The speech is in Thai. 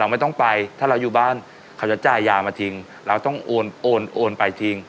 ไม่ต้องไปถ้าเราอยู่บ้านเขาจะจ่ายยามาทิ้งเราต้องโอนโอนไปทิ้ง